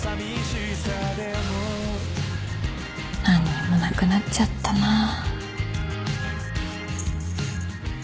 何にもなくなっちゃったな。